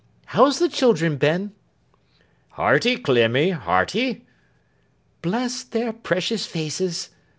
How's the children, Ben?' 'Hearty, Clemmy, hearty.' 'Bless their precious faces!